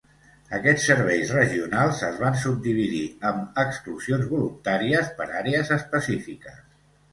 Aquests serveis regionals es van subdividir amb exclusions voluntàries per àrees específiques.